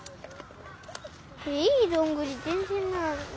いいどんぐりぜんぜんない。